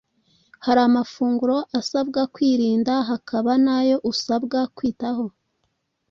Hari amafunguro usabwa kwirinda hakaba n’ayo usabwa kwitaho.